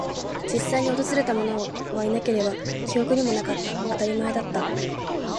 実際に訪れたものはいなければ、記憶にもなかった。当たり前だった。